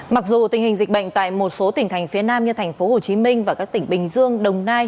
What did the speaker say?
mặc dù tình hình dịch bệnh tại một số tỉnh thành phía nam như tp hcm và các tỉnh bình dương đồng nai